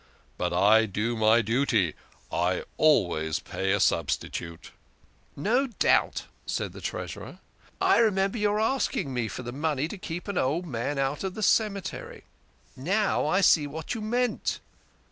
But I do my duty I always pay a substitute." " No doubt," said the Treasurer. " I remember your asking me for the money to keep an old man out of the cemetery. Now I see what you meant."